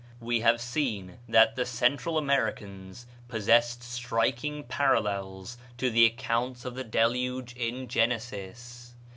We have seen that the Central Americans possessed striking parallels to the account of the Deluge in Genesis.